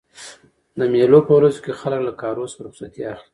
د مېلو په ورځو کښي خلک له کارو څخه رخصتي اخلي.